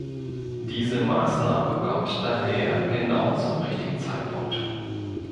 Diese Maßnahme kommt daher genau zum richtigen Zeitpunkt.